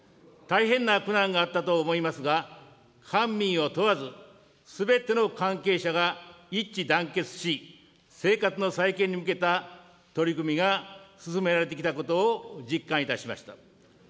大変な苦難があったと思いますが、官民を問わず、すべての関係者が一致団結し、生活の再建に向けた取り組みが進められてきたことを実感いたしました。